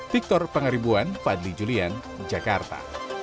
victor pangaribuan fadli julian jakarta